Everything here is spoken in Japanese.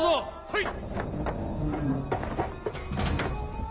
はい！